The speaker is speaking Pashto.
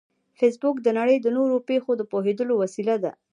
فېسبوک د نړۍ د نوو پېښو د پوهېدو وسیله ده